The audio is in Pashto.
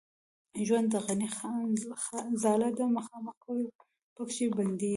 ژوند د غڼي ځاله ده خامخا به پکښې بندېږې